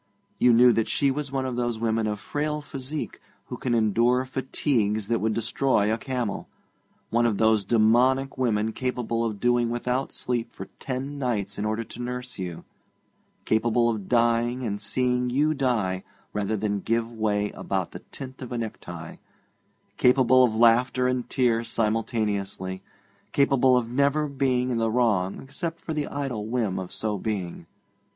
You knew that she was one of those women of frail physique who can endure fatigues that would destroy a camel; one of those dæmonic women capable of doing without sleep for ten nights in order to nurse you; capable of dying and seeing you die rather than give way about the tint of a necktie; capable of laughter and tears simultaneously; capable of never being in the wrong except for the idle whim of so being.